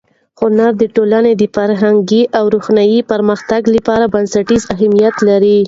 هنر د ټولنې فرهنګي او روحاني پرمختګ لپاره بنسټیز اهمیت لري.